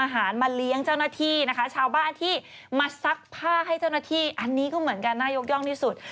ให้เจ้าหน้าที่อันนี้ก็เหมือนกันน่ายกย่องที่สุด